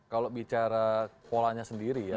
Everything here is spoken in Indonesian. kalau bicara polanya sendiri